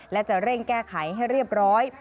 และจะเร่งแก้ไขให้เรียบร้อย